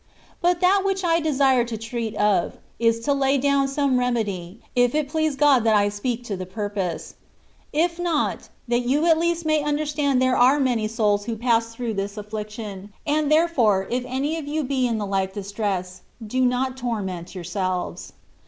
But that which I desire to treat of, is to lay down some remedy, if it please God that I speak to the purpose ; if not, that you at least may un derstand there are many souls who pass through * "El SeAor le sacar^ & puerto de luz." 90 THE WAY OF PERFECTION. this affliction, and, therefore, if any of you be in the like distress, do not torment yourselves.